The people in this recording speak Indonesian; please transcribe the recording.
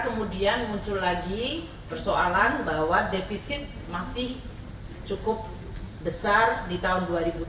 kemudian muncul lagi persoalan bahwa defisit masih cukup besar di tahun dua ribu tujuh belas